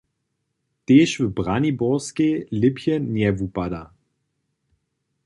Tež w Braniborskej lěpje njewupada.